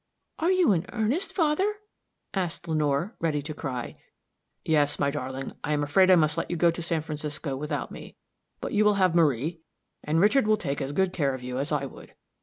"Are you in earnest, father?" asked Lenore, ready to cry. "Yes, my darling. I am afraid I must let you go on to San Francisco without me; but you will have Marie, and Richard will take as good care of you as I would.